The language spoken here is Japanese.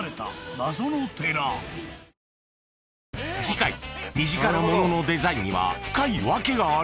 ［次回身近なもののデザインには深い訳がある］